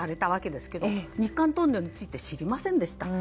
日韓トンネルについて知りませんでした。